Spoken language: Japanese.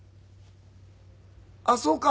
あっそうか。